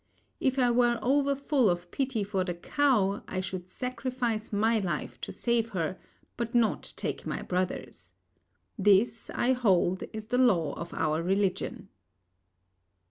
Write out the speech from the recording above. If I were over full of pity for the cow, I should sacrifice my life to save her, but not take my brother's. This, I hold, is the law of our religion.